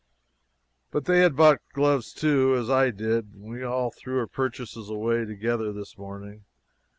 But they had bought gloves, too, as I did. We threw all the purchases away together this morning.